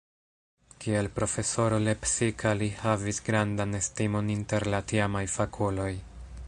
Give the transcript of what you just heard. Kiel profesoro lepsika li havis grandan estimon inter la tiamaj fakuloj.